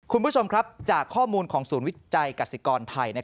คุณผู้ชมครับจากข้อมูลของศูนย์วิจัยกษิกรไทย